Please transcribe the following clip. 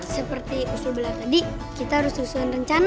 seperti usul belakang tadi kita harus lusuhan rencana